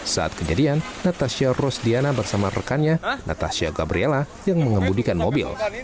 saat kejadian natasha rosdiana bersama rekannya natasha gabriela yang mengemudikan mobil